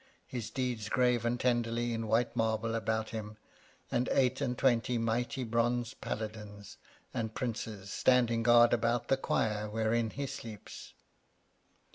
his deeds graven tenderly in white marble about him, and eight and twenty mighty bronze paladins and princes standing guard about the choir wherein he sleeps.